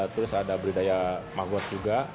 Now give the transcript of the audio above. terus ada budidaya magot juga